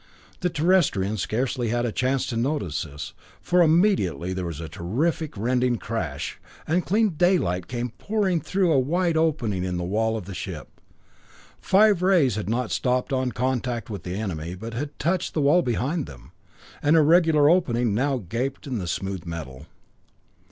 The Terrestrians scarcely had a chance to notice this, for immediately there was a terrific rending crash, and clean daylight came pouring in through a wide opening in the wall of the ship. The five rays had not stopped on contact with the enemy, but had touched the wall behind them. An irregular opening now gaped in the smooth metal.